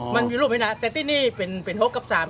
อ๋อมันมีรูปไหมนะแต่ตี้นี้เป็นเป็นหกกับสาม